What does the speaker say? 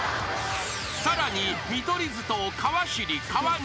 ［さらに見取り図と川尻川西